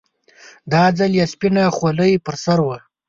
دا ځل يې سپينه خولۍ پر سر وه.